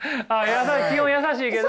基本優しいけど。